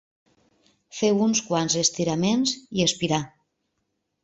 Feu uns quants estiraments i expirà.